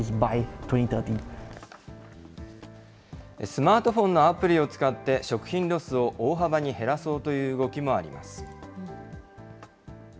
スマートフォンのアプリを使って、食品ロスを大幅に減らそうという動きもあります。